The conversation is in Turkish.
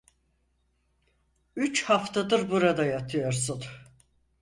Üç haftadır burada yatıyorsun…